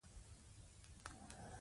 ایا تاسو خپل اهداف د عمل لپاره لیکلي؟